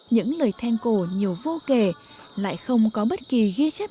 những lời then cổ nhiều vô kể lại không có bất kỳ ghi chép nào để lại